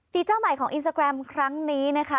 เจ้าใหม่ของอินสตาแกรมครั้งนี้นะคะ